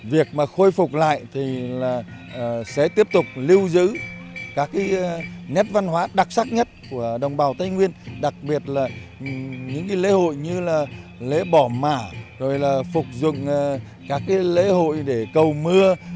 việc mà khôi phục lại thì là sẽ tiếp tục lưu giữ các cái nét văn hóa đặc sắc nhất của đồng bào tây nguyên đặc biệt là những cái lễ hội như là lễ bỏ mã rồi là phục dụng các cái lễ hội để cầu mưa